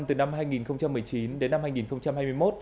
từ năm hai nghìn một mươi chín đến năm hai nghìn hai mươi một